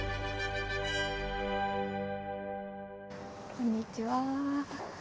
こんにちは。